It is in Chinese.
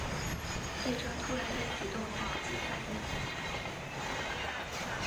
对这突然的举动来不及反应